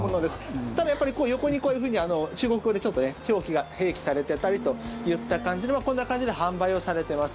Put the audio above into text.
ただやっぱり横にこういうふうに中国語でちょっとね表記が併記されてたりといった感じのこんな感じで販売をされてます。